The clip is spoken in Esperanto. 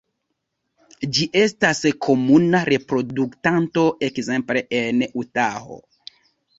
Ĝi estas komuna reproduktanto ekzemple en Utaho.